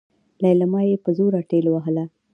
ليلما يې په زوره ټېلوهله.